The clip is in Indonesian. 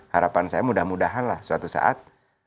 harapan saya mudah mudahanlah suatu saat